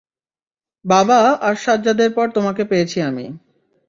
বাবা আর সাজ্জাদের পর তোমাকে পেয়েছি আমি।